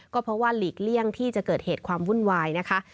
ก็เพราะว่าหลีกเลี่ยงที่จะเกิดเหตุความวุ่นวายนะคะ